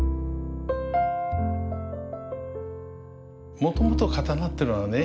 もともと刀ってのはね